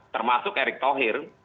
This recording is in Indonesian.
termasuk erick thohir